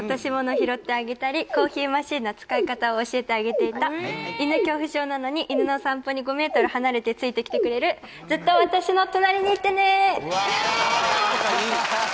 拾ってあげたりコーヒーマシンの使い方を教えてあげていた犬恐怖症なのに犬の散歩に５メートル離れてついてきてくれるいいっすね